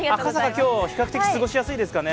今日、比較的過ごしやすいですかね。